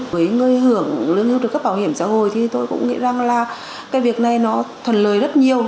với người hưởng lương hưu trợ cấp bảo hiểm xã hội tôi cũng nghĩ rằng việc này thuận lợi rất nhiều